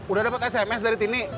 udah dapet sms dari tini